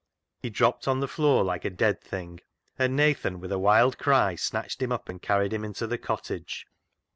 He dropped on the floor like a dead thing, and Nathan with a wild cry snatched him up and carried him into the cottage.